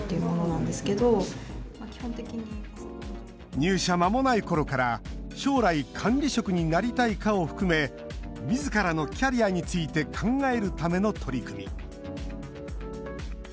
入社まもないころから将来、管理職になりたいかを含めみずからのキャリアについて考えるための取り組み。